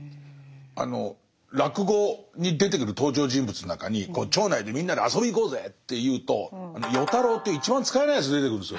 あの落語に出てくる登場人物の中に町内でみんなで遊びに行こうぜっていうと与太郎っていう一番使えないやつ出てくるんですよ。